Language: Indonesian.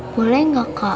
boleh gak kak